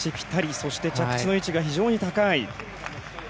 そして、着地の位置が非常に高い。